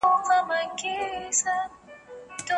آیا دغه غلام په اصل کې د حبشې د سیمې اوسېدونکی و؟